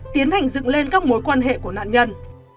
tiến hành dựng lên các mối quan hệ của nạn nhân